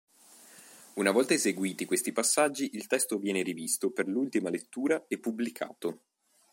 Una volta eseguiti questi passaggi il testo viene rivisto per l'ultima lettura e pubblicato.